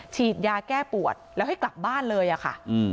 ฉีดยาแก้ปวดแล้วให้กลับบ้านเลยอะค่ะ